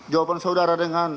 jawaban saudara dengan